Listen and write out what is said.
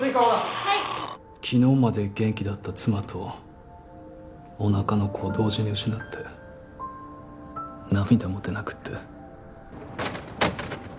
昨日まで元気だった妻とおなかの子を同時に失って涙も出なくって。